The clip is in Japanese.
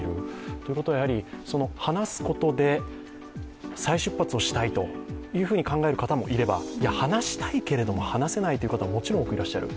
ということは、話すことで再出発をしたいというふうに考える方もいれば話したいけれども話せないという方ももちろんいらっしゃる。